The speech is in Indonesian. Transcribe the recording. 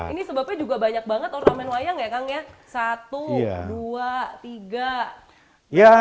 ini sebabnya juga banyak banget orang main wayang ya kang ya